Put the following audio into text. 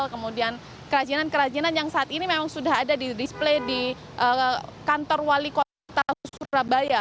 kemudian kerajinan kerajinan yang saat ini memang sudah ada di display di kantor wali kota surabaya